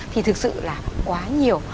thì thực sự là quá nhiều